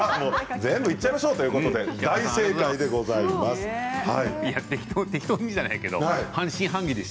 全部いっちゃいましょうと大正解です。